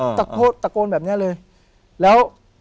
ผมก็ไม่เคยเห็นว่าคุณจะมาทำอะไรให้คุณหรือเปล่า